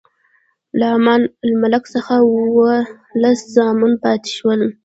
له امان الملک څخه اووه لس زامن پاتې شول.